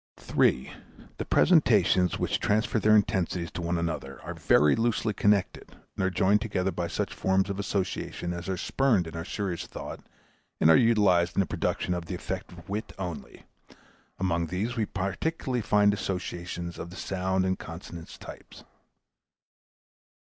The presentations which transfer their intensities to one another are very loosely connected, and are joined together by such forms of association as are spurned in our serious thought and are utilized in the production of the effect of wit only. Among these we particularly find associations of the sound and consonance types.